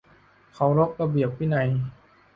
เคารพระเบียบวินัย